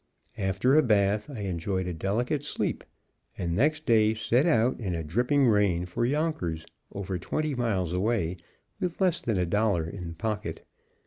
After a bath, I enjoyed a delicate sleep, and next day set out in a dripping rain for Yonkers, over twenty miles away, with less than a dollar in pocket.